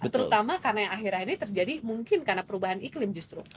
terutama karena yang akhir akhir ini terjadi mungkin karena perubahan iklim justru